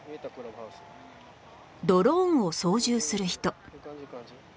ドローンを操縦する人